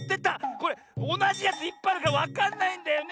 これおなじやついっぱいあるからわかんないんだよね。